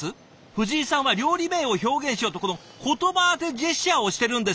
藤井さんは料理名を表現しようとこの言葉当てジェスチャーをしてるんですよ！